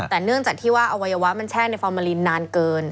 แต่เนื่องจากที่ว่าอวัยวะมันแช่ในฟอร์มาลินนานเกิน